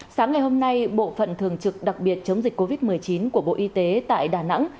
sáng ngày hôm nay bộ phận thường trực đặc biệt chống dịch covid một mươi chín của bộ y tế tại đà nẵng